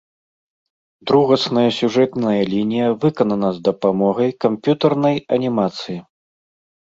Другасная сюжэтная лінія выканана з дапамогай камп'ютарнай анімацыі.